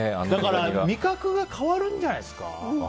味覚が変わるんじゃないですか。